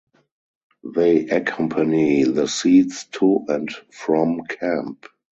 They accompany the Seeds to and from camp.